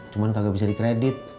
cuman kagak bisa di kredit